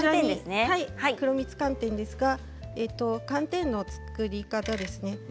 黒蜜寒天ですが寒天の作り方ですね。